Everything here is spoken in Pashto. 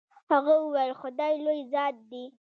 هغه وويل خداى لوى ذات دې.